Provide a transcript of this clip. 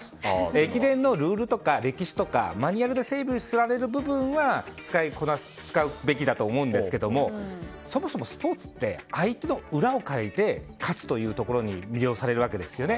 駅伝のルールとか歴史とかマニュアルで整備させられる部分は使うべきだと思うんですがそもそもスポーツって相手の裏をかいて勝つというところに魅了されるわけですよね。